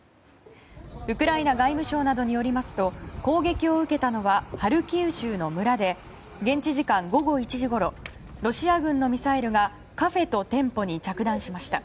ウクライナ外務省などによりますと攻撃を受けたのはハルキウ州の村で現地時間午後１時ごろロシア軍のミサイルがカフェと店舗に着弾しました。